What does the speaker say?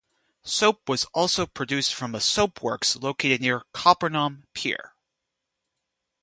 Soap was also produced from a soapworks located near Caupernaum Pier.